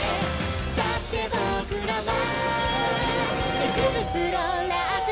「だって僕らは」「エクスプローラーズ！！」